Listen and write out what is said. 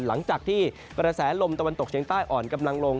หลังจากที่กระแสลมตะวันตกเชียงใต้อ่อนกำลังลง